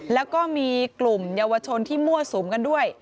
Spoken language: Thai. แล้วก็มีกลุ่มเยาวชนที่มั่วสุมกันด้วย